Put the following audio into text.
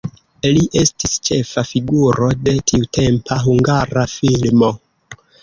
Li estis ĉefa figuro de tiutempa hungara filmo.